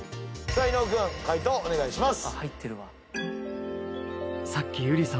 伊野尾君解答お願いします。